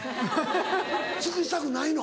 尽くしたくないの？